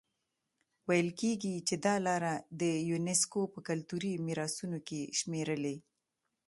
ویل کېږي چې دا لاره یونیسکو په کلتوري میراثونو کې شمېرلي.